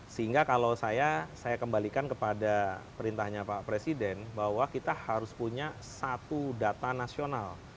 sehingga kalau saya saya kembalikan kepada perintahnya pak presiden bahwa kita harus punya satu data nasional